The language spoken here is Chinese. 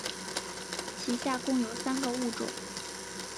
其下共有三个物种。